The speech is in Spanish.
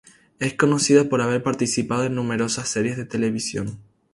Es conocida por haber participado en numerosas series de televisión.